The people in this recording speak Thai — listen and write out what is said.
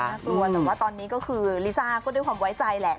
กลัวแต่ว่าตอนนี้ก็คือลิซ่าก็ด้วยความไว้ใจแหละ